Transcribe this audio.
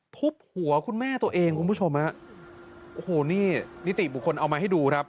ทุบหัวคุณแม่ตัวเองคุณผู้ชมฮะโอ้โหนี่นิติบุคคลเอามาให้ดูครับ